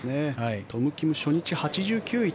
トム・キム、初日８９位